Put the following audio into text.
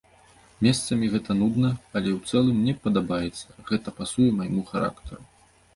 Месцамі гэта нудна, але ў цэлым мне падабаецца, гэта пасуе майму характару.